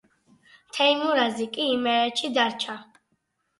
თეიმურაზი კი იმერეთში დარჩა.